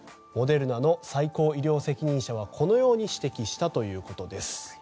モデルナの最高医療責任者はこのように指摘したということです。